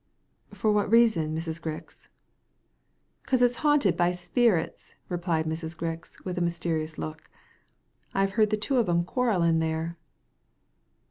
For what reason, Mrs. Grix ?" "'Cause it's haunted by spirits," replied Mrs. Grix, with a mysterious look. "I've heard the two of 'em quarrelling there."